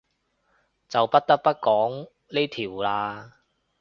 就不得不講呢條喇